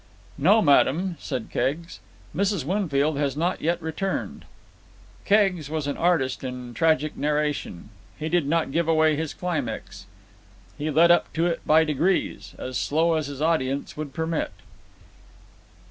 "No, madam," said Keggs. "Mrs. Winfield has not yet returned." Keggs was an artist in tragic narration. He did not give away his climax; he led up to it by degrees as slow as his audience would permit.